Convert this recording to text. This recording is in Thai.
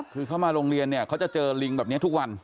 คือเขามาโรงเรียนเนี่ยเขาจะเจอลิงแบบนี้ทุกวัน